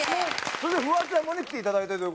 それでフワちゃんもね来ていただいたという。